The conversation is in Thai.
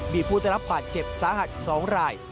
มีผู้ได้รับบาดเจ็บสาหัส๒ราย